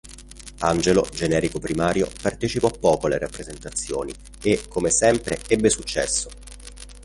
Angelo, generico primario, partecipò poco alle rappresentazioni e, come sempre, ebbe successo.